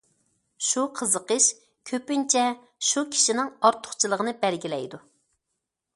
شۇ قىزىقىش كۆپىنچە شۇ كىشىنىڭ ئارتۇقچىلىقىنى بەلگىلەيدۇ.